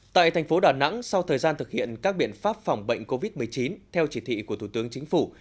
tại thành phố đà nẵng sau thời gian thực hiện các biện pháp phòng bệnh covid một mươi chín theo chỉ thị của thủ tướng chính phủ